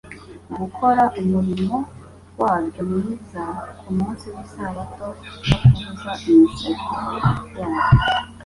gukora umurimo waryo mwiza ku munsi w'isabato no kubuza imirasire yaryo